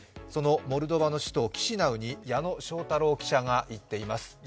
モルドバの首都キシナウに矢野翔太郎記者が行っています。